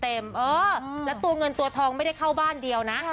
แล้วตัวเงินตัวทองไม่ได้เข้าบ้านเดียวนะ